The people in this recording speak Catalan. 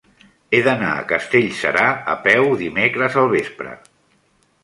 He d'anar a Castellserà a peu dimecres al vespre.